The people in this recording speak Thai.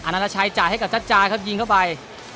นานาชัยจ่ายให้กับชัดจาครับยิงเข้าไป